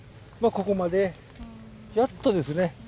ここまでやっとですね。